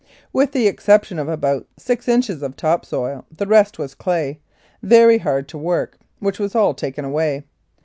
With the exception of about six inches of top soil the rest was clay, very hard to work, which was all taken away.